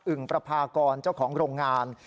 อึ่งปราภากรเจ้าของโรงงาน